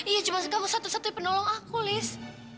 iya cuma kamu satu satu yang penolong aku liz